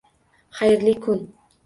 Xayrli kun.